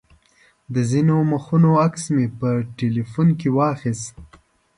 د ځینو مخونو عکس مې په تیلفون کې واخیست.